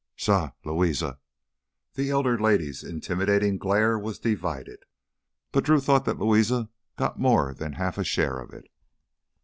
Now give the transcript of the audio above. "Suh! ... Louisa!" The elder lady's intimidating glare was divided, but Drew thought that Louisa got more than a half share of it.